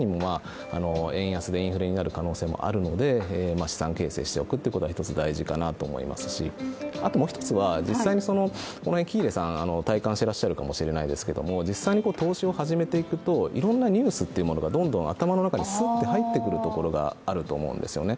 円安でインフレになる可能性もあるので資産形成しておくってのは一つ大事かもしれませんしあともう一つは実際、喜入さん体感していらっしゃるかもしれないですけど実際に投資を始めていくといろんなニュースというものがどんどん頭の中にすっと入ってくるところがあると思うんですね。